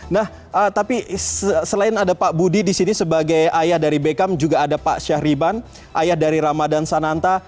nah tapi selain ada pak budi di sini sebagai ayah dari beckham juga ada pak syahriban ayah dari ramadan sananta